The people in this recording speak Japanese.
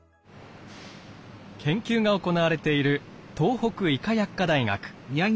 研究が行われている東北医科薬科大学。